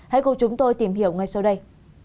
hãy cùng chúng tôi tìm hiểu ngay sau đây